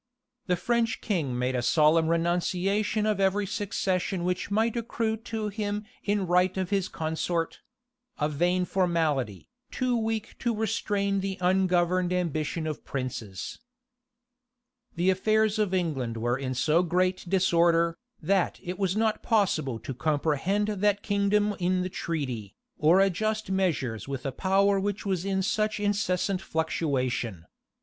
The French king made a solemn renunciation of every succession which might accrue to him in right of his consort; a vain formality, too weak to restrain the ungoverned ambition of princes. The affairs of England were in so great disorder, that it was not possible to comprehend that kingdom in the treaty, or adjust measures with a power which was in such incessant fluctuation.